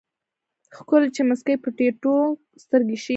ښکلے چې مسکې په ټيټو سترګو شي